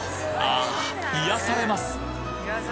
ああ癒されます